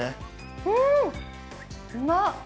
うん、うま。